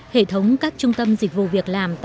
hệ thống các trung tâm dịch vụ việc làm